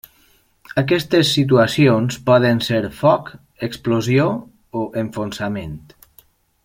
Aquestes situacions poden ser foc, explosió o enfonsament.